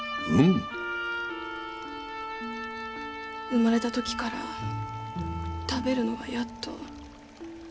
生まれた時から食べるのがやっと。